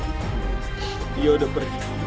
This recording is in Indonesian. dia udah pergi